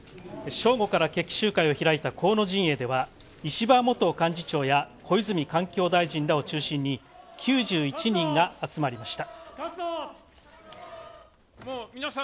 正午から決起集会を開いた河野陣営では石破元幹事長や小泉環境大臣らを中心に９１人が集まりました。